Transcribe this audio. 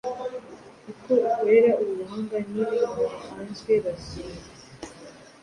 Uko ukoreha ubu buhanga, nibianzwe bazumva